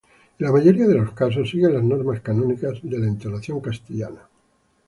En la mayoría de los casos siguen las normas canónicas de la entonación castellana.